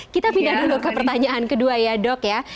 kita pindah dulu ke pertanyaan kedua ya dok ya